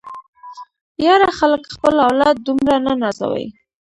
ياره خلک خپل اولاد دومره نه نازوي.